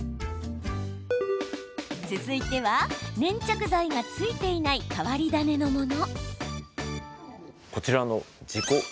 続いては、粘着剤がついていない変わり種のもの。